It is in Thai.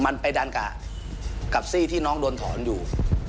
มันไปดันกะกับซี่ที่น้องโดนถอนอยู่